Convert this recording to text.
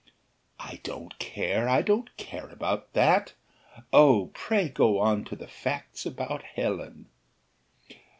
"I don't care, I don't care about that Oh pray go on to the facts about Helen."